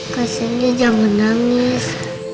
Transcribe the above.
kasiannya jangan nangis